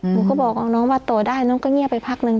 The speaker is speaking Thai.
หนูก็บอกเอาน้องมาต่อได้น้องก็เงียบไปพักนึง